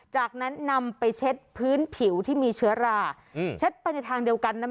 จากนั้นนำไปเช็ดพื้นผิวที่มีเชื้อราเช็ดไปในทางเดียวกันนะ